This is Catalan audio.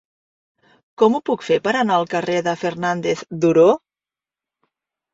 Com ho puc fer per anar al carrer de Fernández Duró?